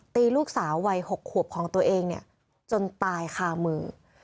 ตีลูกสาววัย๖ขวบของตัวเองเนี่ยจนตายคามือ